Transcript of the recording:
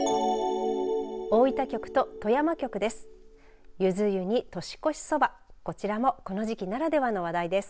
大分局と富山局です。